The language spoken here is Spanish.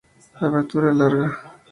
Abertura larga.